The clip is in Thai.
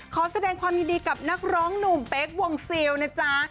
ขอแสดงความยินดีกับนักร้องหนุ่มเป๊กวงซิลนะจ๊ะ